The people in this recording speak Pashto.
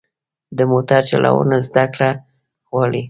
د موټر چلوونه زده کړه غواړي.